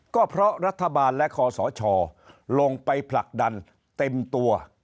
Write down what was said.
ก็เพราะรัฐบาลและคอสชลงไปผลักดันเต็มตัว